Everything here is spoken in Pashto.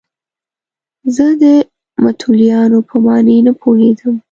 زه د متولیانو په معنی نه پوهېدم.